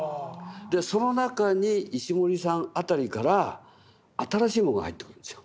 でその中に石森さん辺りから新しいものが入ってくるんですよ。